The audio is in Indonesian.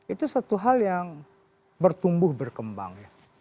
itu satu hal yang bertumbuh berkembang